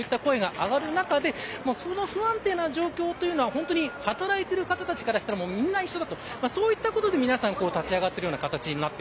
そういった声が上がるなかでその不安定な状況というのは働いている方たちからすればみんな一緒だということでそういったことで皆さん立ち上がってる形です。